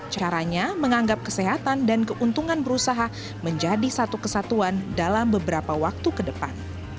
caranya menganggap kesehatan dan keuntungan berusaha menjadi satu kesatuan dalam beberapa waktu ke depan